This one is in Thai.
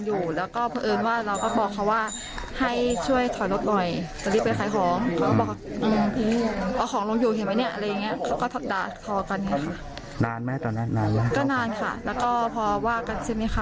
ทะเลาะกันแล้วหนูก็ขับรถไปกับแฟนใช่มั้ยค่ะ